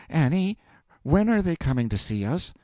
Annie, when are they coming to see us?